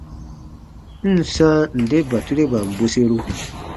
N ǹ sãa nde batureban bweseru.